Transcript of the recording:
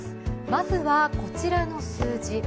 まずは、こちらの数字。